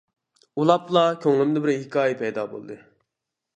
ئۇلاپلا كۆڭلۈمدە بىر ھېكايە پەيدا بولدى.